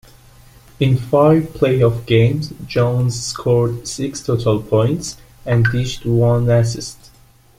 In five playoff games, Jones scored six total points and dished one assist.